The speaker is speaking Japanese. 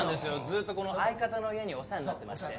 ずっとこの相方の家にお世話になってまして。